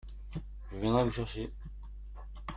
Je viendrai vous chercher.